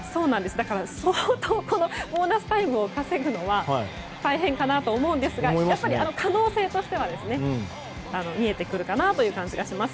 だから相当、ボーナスタイムを稼ぐのは大変だと思うんですが可能性としては見えてくるかなという感じがします。